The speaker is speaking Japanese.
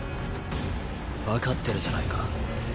わかってるじゃないか。